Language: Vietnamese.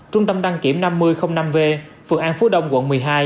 trung tâm đăng kiểm năm mươi năm v phường an phú đông quận một mươi hai